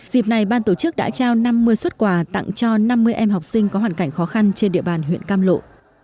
dịp này ban tổ chức đã trao năm mươi xuất quà tặng cho năm mươi em học sinh có hoàn cảnh khó khăn trên địa bàn huyện cam lộ